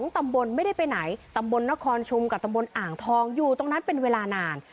ตำบลไม่ได้ไปไหนตำบลนครชุมกับตำบลอ่างทองอยู่ตรงนั้นเป็นเวลานาน